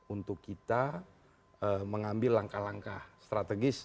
untuk kita mengambil langkah langkah strategis